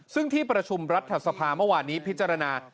ซึ่งที่ประชุมรัฐสภาเมื่อวานนี้พิจารณา